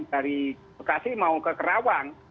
dari bekasi mau ke kerawang